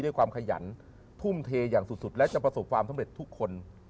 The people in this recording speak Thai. ความขยันทุ่มเทอย่างสุดและจะประสบความสำเร็จทุกคน